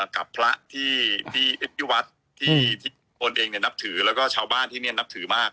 กับพระที่พี่เอ็มพิวัฒน์ที่ตนเองนับถือแล้วก็ชาวบ้านที่นี่นับถือมาก